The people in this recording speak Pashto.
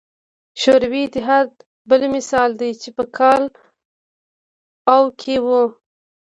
شوروي اتحاد بل مثال دی چې په کال او کې وو.